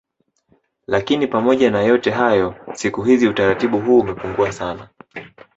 Lakini pamoja na yote hayo siku hizi utaratibu huu umepungua sana